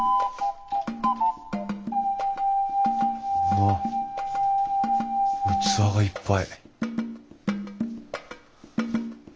わっ器がいっぱい。